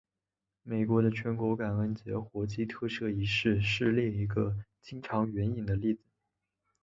美国的全国感恩节火鸡特赦仪式是另一个经常援引的例子。